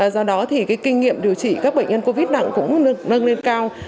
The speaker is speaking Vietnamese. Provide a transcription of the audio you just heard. do đó thì kinh nghiệm điều trị các bệnh nhân covid nặng cũng được nâng lên cao